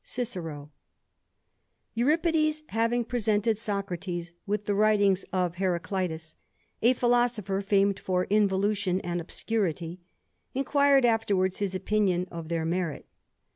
"P URIPIDES, having presented Socrates with the writings of Heraclitus, a philosopher famed for involution and obscurity, inquired afterwards his opinion of their merit.